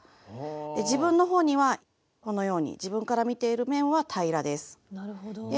自分のほうにはこのように自分から見ている面は平らです。